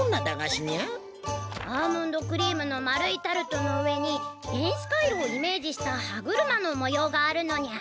アーモンドクリームの丸いタルトの上に電子回路をイメージした歯車の模様があるのにゃ。